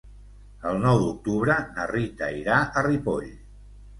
El nou d'octubre na Rita irà a Ripoll.